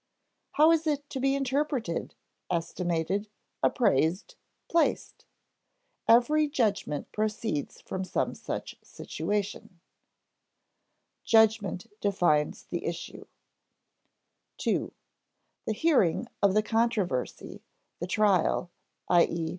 How is it to be interpreted, estimated, appraised, placed? Every judgment proceeds from some such situation. [Sidenote: Judgment defines the issue,] 2. The hearing of the controversy, the trial, _i.e.